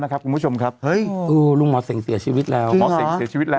นะครับคุณผู้ชมครับเฮ้ยอู๋ลูกหมอเสียชีวิตแล้วหมอเสียชีวิตแล้ว